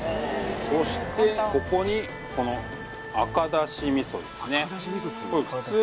そしてここにこの赤だし味噌ですね